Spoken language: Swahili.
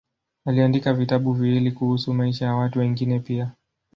Aliandika vitabu viwili kuhusu maisha ya watu wengine pia.